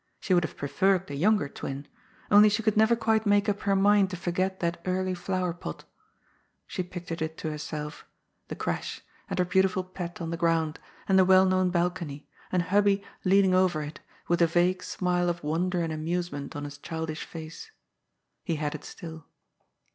She would have preferred the younger twin ; only she could never quite make up her mind to forget that early flower pot She pictured it to herself : the crash, and her beautiful pet on the ground, and the well known balcony, and Hubbie leaning over it, with the vague smile of won der and amusement on his childish face. He had it still.